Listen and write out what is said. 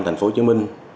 thành phố hồ chí minh